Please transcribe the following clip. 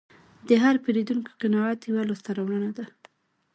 د هر پیرودونکي قناعت یوه لاسته راوړنه ده.